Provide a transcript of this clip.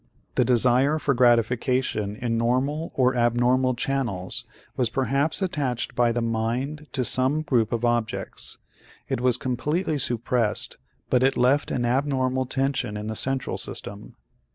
The desire for gratification in normal or abnormal channels was perhaps attached by the mind to some group of objects. It was completely suppressed but it left an abnormal tension in the central system.